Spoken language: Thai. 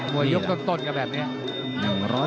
วยยกต้นกับแบบนี้